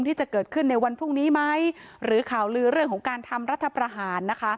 ที่จะเกิดขึ้นในวันพรุ่งนี้ไหมหรือข่าวลือเรื่องของการทำรัฐประหารนะคะ